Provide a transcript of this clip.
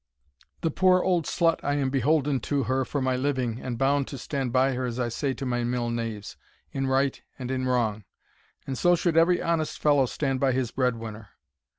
The poor old slut, I am beholden to her for my living, and bound to stand by her, as I say to my mill knaves, in right and in wrong. And so should every honest fellow stand by his bread winner.